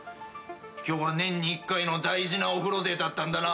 今日は年に１回の大事なお風呂デーだったんだな。